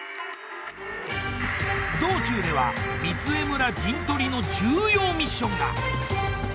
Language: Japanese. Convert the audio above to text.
道中では御杖村陣取りの重要ミッションが。